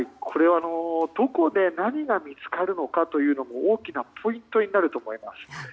どこで何が見つかるのかというのも大きなポイントになると思います。